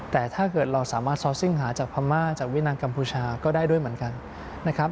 แต่ถ้าเกิดเราสามารถซอสซิ่งหาจากพม่าจากวินังกัมพูชาก็ได้ด้วยเหมือนกันนะครับ